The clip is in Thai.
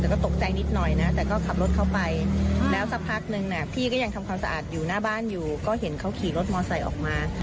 แต่ก็ตกใจนิดหน่อยนะแต่ก็ขับรถเข้าไปแล้วสักพักนึงพี่ก็ยังทำความสะอาดอยู่หน้าบ้านอยู่ก็เห็นเขาขี่รถมอไซค์ออกมา